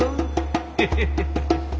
ヘヘヘヘ。